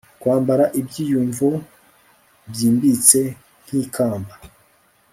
Kwambara ibyiyumvo byimbitse nkikamba